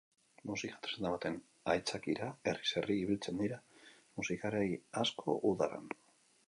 Musika tresna baten aitzakira herriz herri ibiltzen dira musikari asko udaran.